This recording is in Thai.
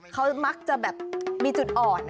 เขามักจะแบบมีจุดอ่อน